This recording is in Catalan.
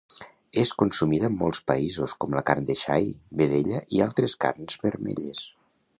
És consumida en molts països com la carn de xai, vedella i altres carns vermelles.